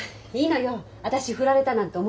私振られたなんて思ってないから。